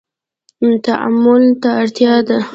تعامل ته اړتیا ده